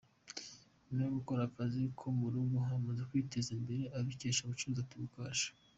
Nyuma yo gukora akazi ko mu rugo amaze kwiteza imbere abikesha gucuruza Tigo Cash